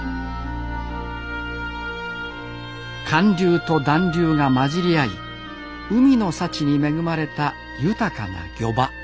寒流と暖流が混じり合い海の幸に恵まれた豊かな漁場。